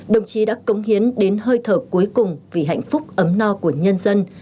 đồng chí đã cống hiến đến hơi thở cuối cùng vì hạnh phúc ấm no của nhân dân